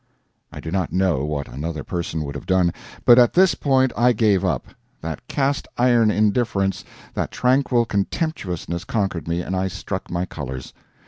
I do not know what another person would have done, but at this point I gave up; that cast iron indifference, that tranquil contemptuousness, conquered me, and I struck my colors.